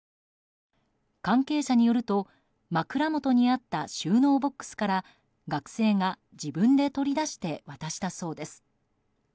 関係者によると枕元にあった収納ボックスから学生が自分で取り出して渡したそうです。